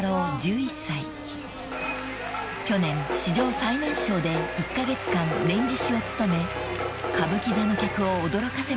［去年史上最年少で１カ月間『連獅子』を務め歌舞伎座の客を驚かせました］